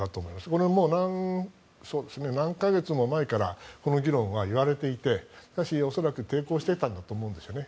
これも何か月も前からこの議論は言われていてしかし恐らく抵抗してたんだと思うんですよね。